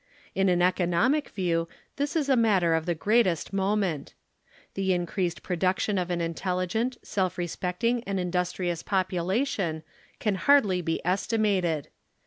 In an economic view this is a matter of the greatest moment. The increased production of an intelligent, self respecting and industrious population can hardly be estimated.